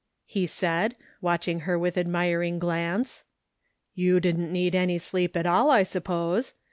he said, watching her with admiring glance, " You didn't need any sleep at all, I suppose.